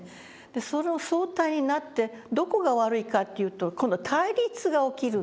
その相対になってどこが悪いかっていうと今度は対立が起きるんですね。